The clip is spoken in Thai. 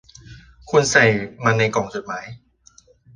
คุณใส่มันในกล่องจดหมาย